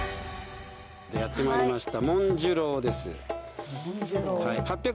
やって参りました。